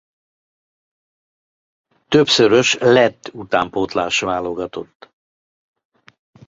Többszörös lett utánpótlás-válogatott.